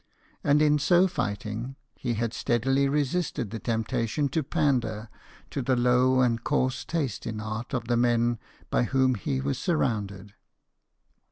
And in so fighting, he had steadily resisted the temptation to pander to the low and coarse taste in art of the men by whom he was surrounded.